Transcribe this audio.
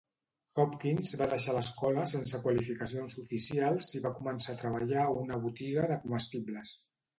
Hopkins va deixar l"escola sense qualificacions oficials i va començar a treballar a una botiga de comestibles.